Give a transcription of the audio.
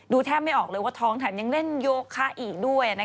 แทบไม่ออกเลยว่าท้องแถมยังเล่นโยคะอีกด้วย